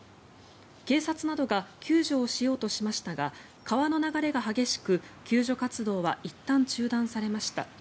警察などが救助をしようとしましたが川の流れが激しく、救助活動はいったん中断されました。